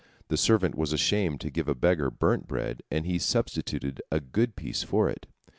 The servant was ashamed to give a beggar burnt bread, and he substituted a good piece for it.